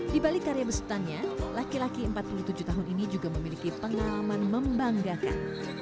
di balik karya besutannya laki laki empat puluh tujuh tahun ini juga memiliki pengalaman membanggakan